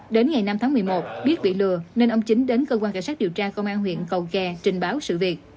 đến ngày năm tháng một mươi một biết bị lừa nên ông chính đến cơ quan cảnh sát điều tra công an huyện cầu kè trình báo sự việc